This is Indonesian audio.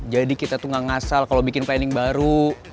jadi kita tuh gak ngasal kalau bikin planning baru